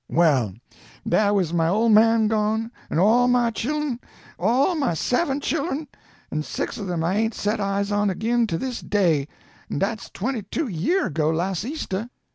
"Well, dah was my ole man gone, an' all my chil'en, all my seven chil'en an' six of 'em I hain't set eyes on ag'in to dis day, an' dat's twenty two year ago las' Easter.